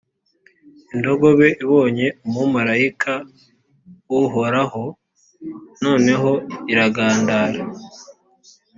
indogobe ibonye umumalayika w’uhoraho, noneho iragandara.